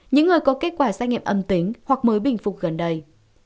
những người có kết quả xét nghiệm âm tính hoặc mới bình phục gần đây